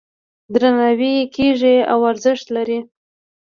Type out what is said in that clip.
درناوی یې کیږي او ارزښت لري.